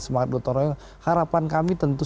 semangat dottoroy harapan kami tentu